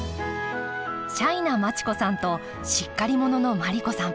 シャイな町子さんとしっかり者の毬子さん。